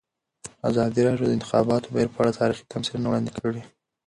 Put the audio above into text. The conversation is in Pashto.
ازادي راډیو د د انتخاباتو بهیر په اړه تاریخي تمثیلونه وړاندې کړي.